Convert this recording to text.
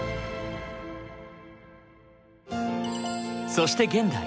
そして現代。